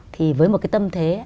thì với một cái tâm thế